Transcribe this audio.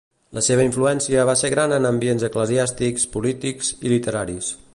La seua influència va ser gran en ambients eclesiàstics, polítics i literaris.